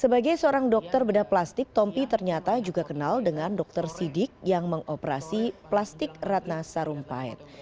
sebagai seorang dokter bedah plastik tompi ternyata juga kenal dengan dokter sidik yang mengoperasi plastik ratna sarumpait